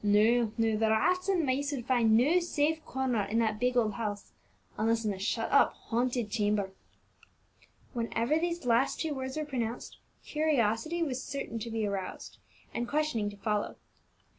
No, no, the rats and mice would find no safe corner in that big old house, unless in the shut up, haunted chamber." Whenever these last two words were pronounced, curiosity was certain to be roused, and questioning to follow.